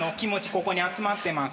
ここに集まってます。